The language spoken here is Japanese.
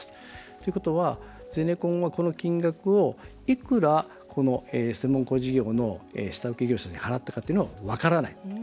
ということは、ゼネコンはこの金額をいくら、専門工事業の下請け業者さんに払ったかっていうのは分からない。